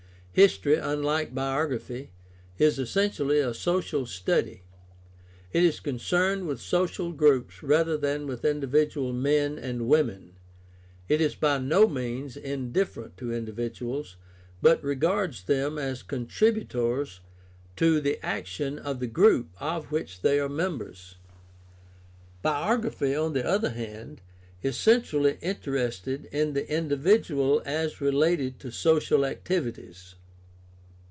History, unlike biography, is essentially a social study. It is concerned with social groups rather than with individual men and women. It is by no means in different to individuals, but regards them as contributors to the action of the group of which they are members. Biog raphy, on the other hand, is centrally interested in the indi vidual as related to social activities.